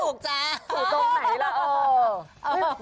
ถูกตรงไหนล่ะ